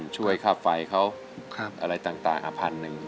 ๖๐๐๐ช่วยค่าไฟเขาอะไรต่างอัพพันธุ์หนึ่ง